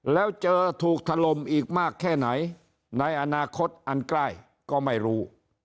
แล้วเจอถูกถล่มอีกมากแค่ไหนในอนาคตอันใกล้ก็ไม่รู้